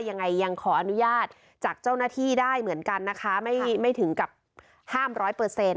ยังไงยังขออนุญาตจากเจ้าหน้าที่ได้เหมือนกันนะคะไม่ไม่ถึงกับห้ามร้อยเปอร์เซ็นต